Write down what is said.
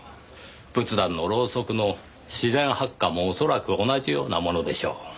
仏壇のろうそくの自然発火も恐らく同じようなものでしょう。